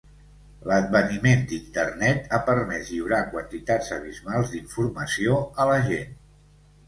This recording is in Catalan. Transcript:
L'adveniment d'Internet ha permès lliurar quantitats abismals d'informació a la gent.